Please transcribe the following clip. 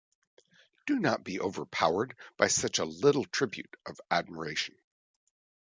Do not be overpowered by such a little tribute of admiration.